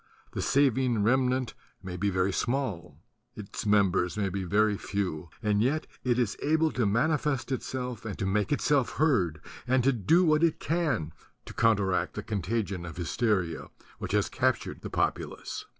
The saving remnant may be very small; its members may be very few; and yet it is able to manifest itself and to make itself heard and to do what it can to counteract the contagion of hysteria which has captured the populace.